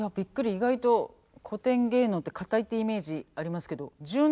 意外と古典芸能って硬いってイメージありますけど柔軟ですね。